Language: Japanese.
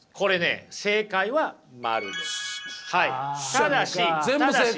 ただしただしね。